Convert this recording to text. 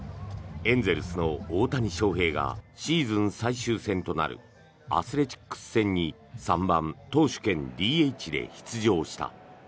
エンゼルスの大谷翔平がシーズン最終戦となるアスレチックス戦に３番投手兼ＤＨで出場した。